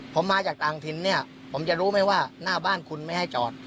ผมมาจากต่างถิ่นเนี่ยผมจะรู้ไหมว่าหน้าบ้านคุณไม่ให้จอด